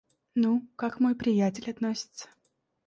Ну, как мой приятель относится?